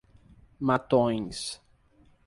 Matões